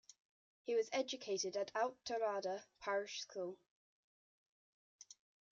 He was educated at Auchterarder parish school.